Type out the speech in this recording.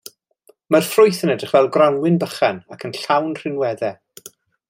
Mae'r ffrwyth yn edrych fel grawnwin bychain ac yn llawn rhinweddau.